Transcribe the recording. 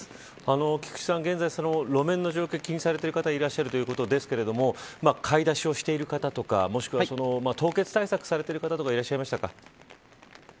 菊池さん、現在路面の状況を気にされている方いらっしゃるということですが買い出しをしている方とかもしくは凍結対策されてる方とかいらっしゃりましたか。